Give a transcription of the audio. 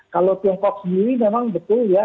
kalau tiongkok sendiri memang betul ya